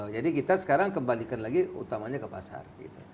jadi kita sekarang kembalikan lagi utamanya ke pasar